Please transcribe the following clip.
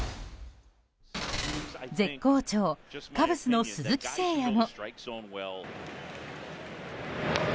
絶好調、カブスの鈴木誠也も。